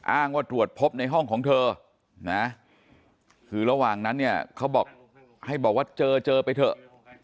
อ้างว่าตรวจพบในห้องของเธอนะคือระหว่างนั้นเนี่ยเขาบอกให้บอกว่าเจอเจอไปเถอะ